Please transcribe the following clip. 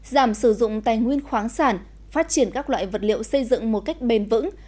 giảm sử dụng tài nguyên khoáng sản phát triển các loại vật liệu xây dựng một cách bền vững